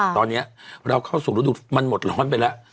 ตอนนี้เราเข้าสู่ฤดูมันหมดร้อนไปแล้ว